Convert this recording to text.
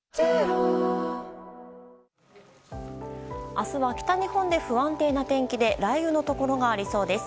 明日は北日本で不安定な天気で雷雨のところがありそうです。